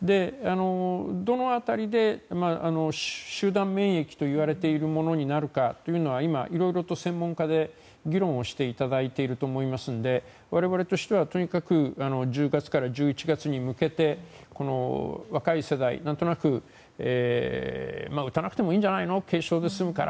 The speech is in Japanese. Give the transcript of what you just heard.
どの辺りで集団免疫といわれているものになるかというと今、いろいろと専門家で議論をしていただていると思いますので我々としてはとにかく１０月から１１月に向けて若い世代、何となく打たなくてもいいんじゃないの軽症で済むから。